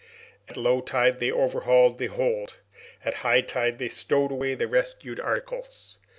At low tide they overhauled the hold at high tide they stowed away the rescued articles.